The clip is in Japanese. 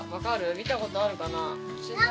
見たことあるかな？